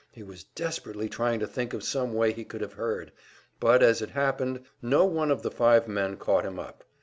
He was desperately trying to think of some way he could have heard; but, as it happened, no one of the five men caught him up.